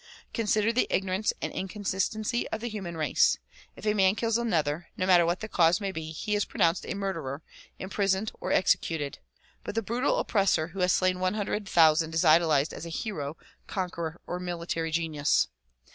Consider the ignorance and inconsistency of the human race. If a man kills another, no matter what the cause may be, he is pronounced a murderer, imprisoned or executed; but the brutal oppressor who has slain one hundred thousand is idolized as a hero, conqueror or military genius.